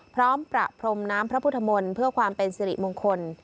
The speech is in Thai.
ประพรมน้ำพระพุทธมนตร์เพื่อความเป็นสิริมงคล